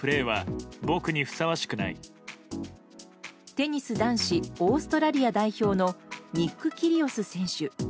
テニス男子オーストラリア代表のニック・キリオス選手。